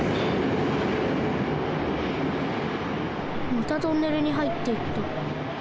またトンネルにはいっていった。